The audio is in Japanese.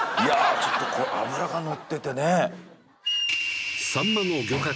ちょっとこう脂が乗っててね